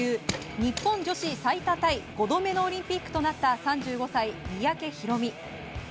日本女子最多タイ５度目のオリンピックとなった３５歳、三宅宏実。